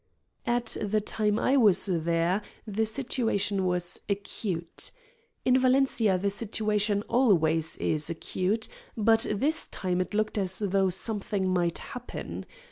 At the time I was there the situation was "acute." In Valencia the situation always is acute, but this time it looked as though something might happen.